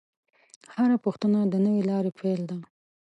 هره پوښتنه د نوې لارې پیل دی.